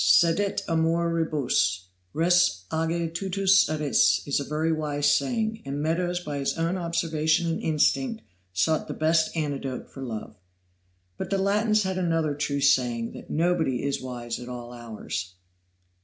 "Cedit amor rebus; res age tutus eris," is a very wise saying, and Meadows, by his own observation and instinct, sought the best antidote for love. But the Latins had another true saying, that "nobody is wise at all hours."